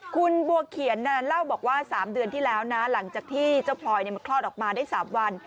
คุณบัวเขียนเล่าบอกว่า๓เดือนที่แล้วนะหลังจากที่เจ้าพลอยมันคลอดออกมาได้๓วัน